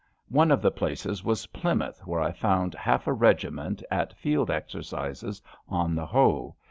One of the places was Plymouth, where I found half a regiment at field exercises on the Hoe.